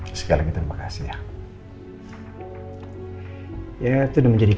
jangan sampai ada orang lain